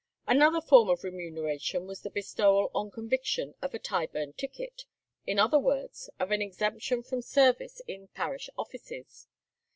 Another form of remuneration was the bestowal on conviction of a "Tyburn ticket"; in other words, of an exemption from service in parish offices.